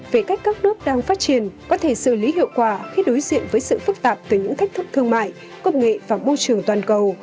về cách các nước đang phát triển có thể xử lý hiệu quả khi đối diện với sự phức tạp từ những thách thức thương mại công nghệ và môi trường toàn cầu